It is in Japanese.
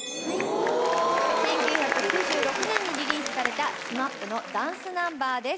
１９９６年にリリースされたＳＭＡＰのダンスナンバーです。